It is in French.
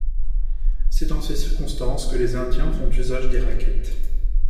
C’est dans ces circonstances que les Indiens font usage des raquettes.